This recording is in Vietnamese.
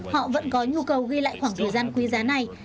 họ vẫn có nhu cầu ghi lại khoảng thời gian quý giá này